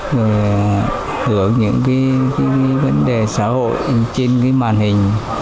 rồi hưởng những cái vấn đề xã hội trên cái màn hình